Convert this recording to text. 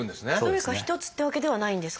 どれか一つってわけではないんですか？